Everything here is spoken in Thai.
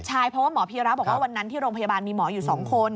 ใช่เพราะว่าหมอพีระบอกว่าวันนั้นที่โรงพยาบาลมีหมออยู่๒คน